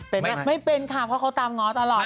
เป็นไหมไม่เป็นค่ะเพราะเขาตามง้อตลอด